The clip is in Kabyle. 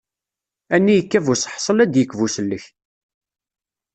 Ani yekka buseḥṣel ad d-yekk busellek.